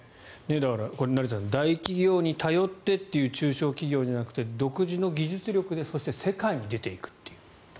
成田さん大企業に頼ってという中小企業じゃなくて独自の技術力でそして世界へ出ていくという。